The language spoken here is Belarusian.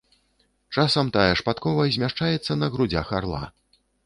Часам тая ж падкова змяшчаецца на грудзях арла.